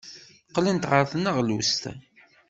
Qqlent ɣer tneɣlust.